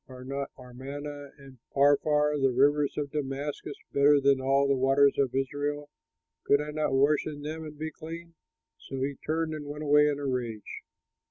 Are not Amana and Pharpar, the rivers of Damascus, better than all the waters of Israel? Could I not wash in them and be clean?" So he turned and went away in a rage.